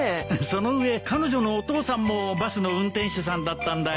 その上彼女のお父さんもバスの運転手さんだったんだよ。